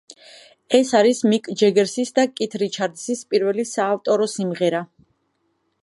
ეს არის მიკ ჯეგერის და კით რიჩარდსის პირველი საავტორო სიმღერა.